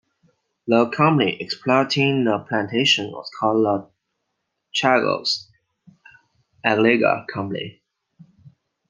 The company exploiting the plantation was called the Chagos Agalega Company.